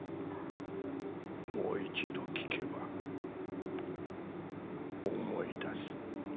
もう一度聴けば思い出す。